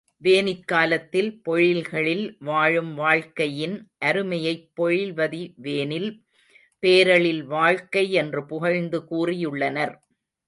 வேனிற் காலத்தில் பொழில்களில் வாழும் வாழ்க்கையின் அருமையைப் பொழில்வதி வேனில் பேரெழில் வாழ்க்கை என்று புகழ்ந்து கூறியுள்ளனர்.